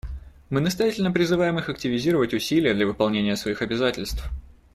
Мы настоятельно призываем их активизировать усилия для выполнения своих обязательств.